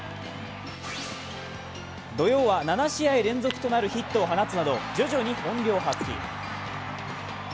土曜は７試合連続となるヒットを放つなど徐々に本領発揮。